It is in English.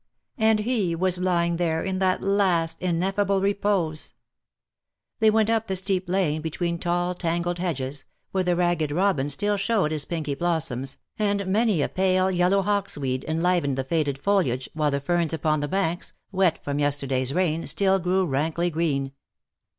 And he was lying there in that last ineffable repose. DUEL OR MURDER ? 49 They went up the steep lane, between tall tangled hedges, where the ragged robin still showed his pinky blossoms, and many a pale yellow hawksweed enlivened the faded foliage, while the ferns upon the banks, wet from yesterday^s rain, still grew rankly green.